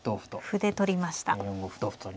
歩で取りました。